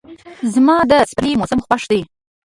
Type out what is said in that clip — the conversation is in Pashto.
زما د سپرلي موسم خوښ دی.